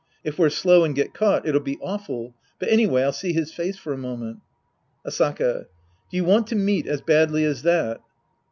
If we're slow and get caught, it'll be awful, but anyway I'll see his face for a moment. Asaka. Do you want to meet as badly as that